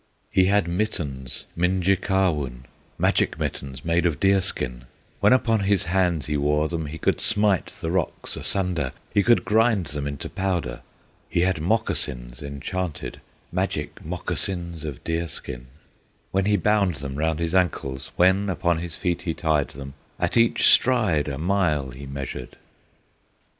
He had mittens, Minjekahwun, Magic mittens made of deer skin; When upon his hands he wore them, He could smite the rocks asunder, He could grind them into powder. He had moccasins enchanted, Magic moccasins of deer skin; When he bound them round his ankles, When upon his feet he tied them, At each stride a mile he measured!